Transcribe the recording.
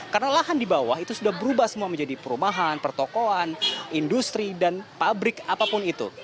karena lahan di bawah itu sudah berubah semua menjadi perumahan pertokoan industri dan pabrik apapun itu